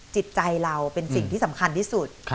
จิตใจเราเป็นสิ่งที่สำคัญที่สุด